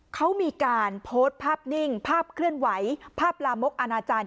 เขามีการโพสต์ภาพนิ่งภาพเคลื่อนไหวภาพลามกอนาจารย